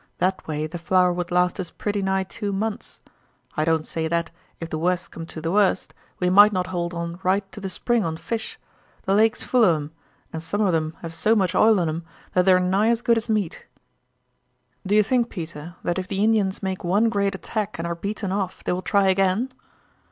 That way the flour would last us pretty nigh two months. I don't say that, if the wust comes to the wust, we might not hold on right to the spring on fish. The lake's full of 'em, and some of 'em have so much oil in 'em that they're nigh as good as meat." "Do you think, Peter, that if the Indians make one great attack and are beaten off they will try again?"